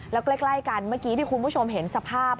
แล้วใกล้กันเมื่อกี้ที่คุณผู้ชมเห็นสภาพ